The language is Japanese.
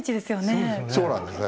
そうなんですね。